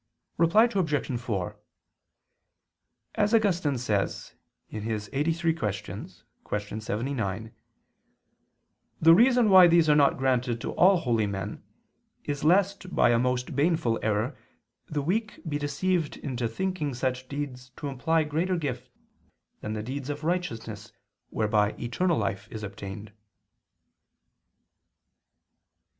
Reply Obj. 4: As Augustine says (QQ. lxxxiii, qu. 79), "the reason why these are not granted to all holy men is lest by a most baneful error the weak be deceived into thinking such deeds to imply greater gifts than the deeds of righteousness whereby eternal life is obtained."